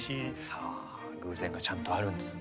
はあ偶然がちゃんとあるんですね。